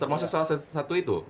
termasuk salah satu itu